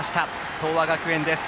東亜学園です。